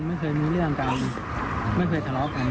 ไม่เคยมีเรื่องกันไม่เคยทะเลาะกัน